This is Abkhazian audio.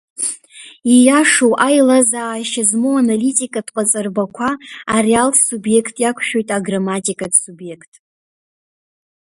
Ииашоу аилазаашьа змоу аналитикатә ҟаҵарбақәа ареалтә субиект иақәшәоит аграмматикатә субиект…